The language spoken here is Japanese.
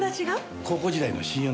高校時代の親友なんだ。